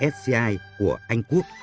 sci của anh quốc